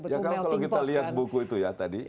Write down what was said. melting pot kalau kita lihat buku itu ya tadi